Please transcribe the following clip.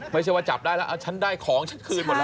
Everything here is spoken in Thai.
ไม่ใช่ว่าจับได้แล้วฉันได้ของฉันคืนหมดแล้ว